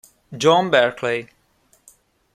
John Barclay